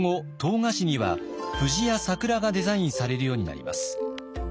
菓子には藤や桜がデザインされるようになります。